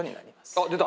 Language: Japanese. あっ出た。